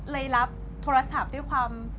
เลยรับโทรศัพท์ด้วยความ